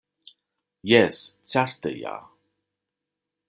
Jes, certe ja!